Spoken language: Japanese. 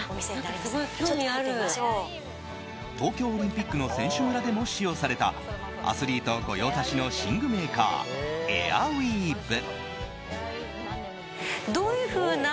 東京オリンピックの選手村でも使用されたアスリート御用達の寝具メーカーエアウィーヴ。